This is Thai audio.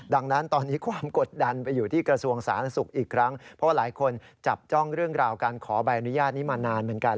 ดังนั้นตอนนี้ความกดดันไปอยู่ที่กระทรวงสาธารณสุขอีกครั้งเพราะว่าหลายคนจับจ้องเรื่องราวการขอใบอนุญาตนี้มานานเหมือนกัน